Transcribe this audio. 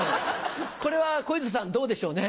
これは小遊三さんどうでしょうね？